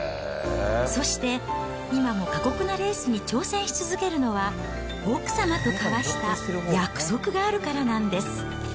そして、今も過酷なレースに挑戦し続けるのは、奥様と交わした約束があるからなんです。